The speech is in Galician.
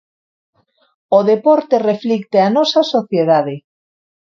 O deporte reflicte a nosa sociedade.